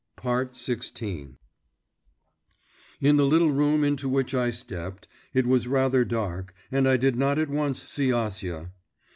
XVI In the little room into which I stepped, it was rather dark, and I did not at once see Acia.